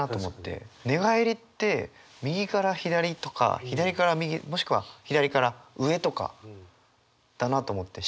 寝返りって右から左とか左から右もしくは左から上とかだなと思って。